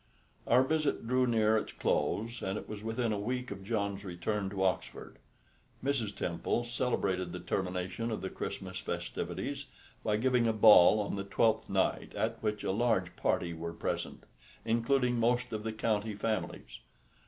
Our visit drew near its close, and it was within a week of John's return to Oxford. Mrs. Temple celebrated the termination of the Christmas festivities by giving a ball on Twelfth night, at which a large party were present, including most of the county families.